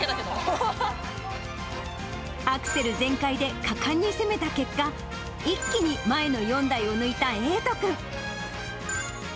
アクセル全開で果敢に攻めた結果、一気に前の４台を抜いた瑛斗君。